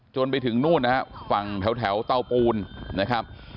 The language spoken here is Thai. ไปถึงนู่นนะฮะฝั่งแถวเตาปูนนะครับ